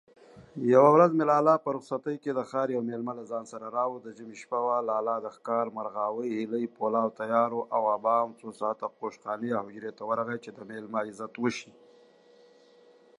Most of Margaret Jourdain's works went through several printings.